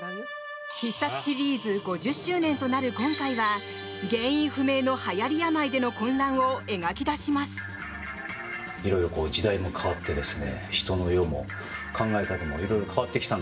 「必殺」シリーズ５０周年となる今回は原因不明のはやり病での混乱を描き出します。